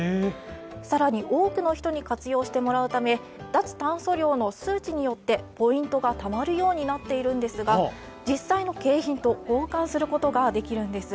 更に多くの人に活用してもらうため脱炭素量の数値によってポイントがたまるようになっているんですが実際の景品と交換することができるんです。